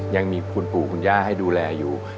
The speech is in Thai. ยังมีคุณปู่คุณย่าให้ดูแลอยู่